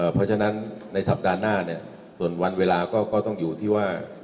เพราะฉะนั้นในสัปดาห์หน้าเนี่ยส่วนวันเวลาก็ต้องอยู่ที่ว่า